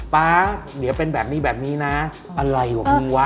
ป๊าเดี๋ยวเป็นแบบนี้แบบนี้นะอะไรวะมึงวะ